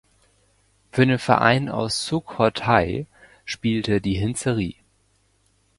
Für den Verein aus Sukhothai spielte die Hinserie.